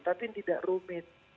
tapi tidak rumit